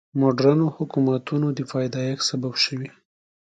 مډرنو حکومتونو د پیدایښت سبب شوي.